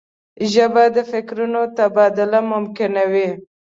ژبه د فکرونو تبادله ممکن کوي